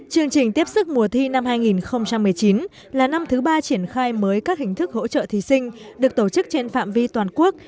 chương trình tiếp sức mùa thi năm hai nghìn một mươi chín là năm thứ ba triển khai mới các hình thức hỗ trợ thí sinh được tổ chức trên phạm vi toàn quốc